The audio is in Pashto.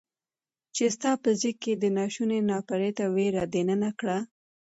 چې ستا په زړه کې يې دا ناشونی ناپړیته ور دننه کړه.